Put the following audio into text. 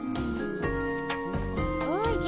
おじゃ。